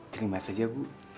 terima saja bu